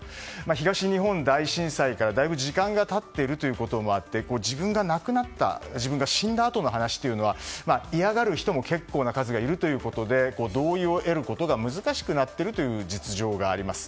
東日本大震災からだいぶ時間が経っていることもあり自分が死んだあとの話というのは嫌がる人も結構な数がいるということで同意を得ることが難しくなっている実情があります。